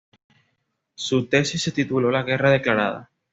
Su tesis se tituló "La guerra declarada.